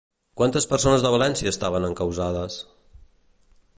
Quantes persones de València estaven encausades?